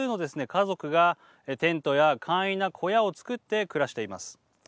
家族がテントや簡易な小屋を作って暮らしています。